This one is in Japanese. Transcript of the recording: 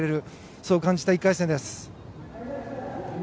そう感じた１回戦です。